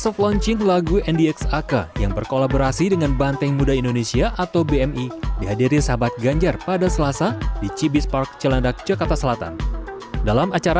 pada kesempatan ini sahabat ganjar membuka distro ganjar